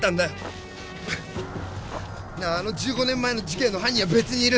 １５年前の事件の犯人は別にいる！